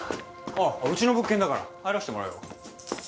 ああうちの物件だから入らせてもらうよ。